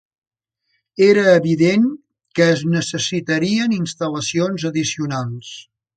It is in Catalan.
Era evident que es necessitarien instal·lacions addicionals.